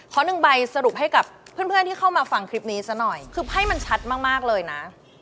หนึ่งใบสรุปให้กับเพื่อนที่เข้ามาฟังคลิปนี้ซะหน่อยคือไพ่มันชัดมากเลยนะ